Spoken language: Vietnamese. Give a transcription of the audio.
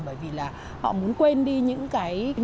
bởi vì là họ muốn quên được những cái nạn nhân